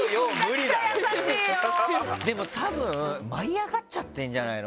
でもたぶん舞い上がっちゃってんじゃない？